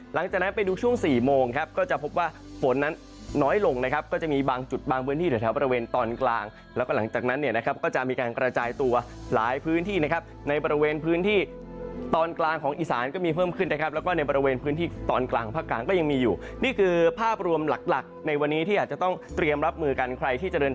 หลังจากนั้นไปดูช่วง๔โมงครับก็จะพบว่าฝนนั้นน้อยลงนะครับก็จะมีบางจุดบางพื้นที่แถวบริเวณตอนกลางแล้วก็หลังจากนั้นเนี่ยนะครับก็จะมีการกระจายตัวหลายพื้นที่นะครับในบริเวณพื้นที่ตอนกลางของอิสานก็มีเพิ่มขึ้นนะครับแล้วก็ในบริเวณพื้นที่ตอนกลางภาคกลางก็ยังมีอยู่นี่คือภาพรวมหลั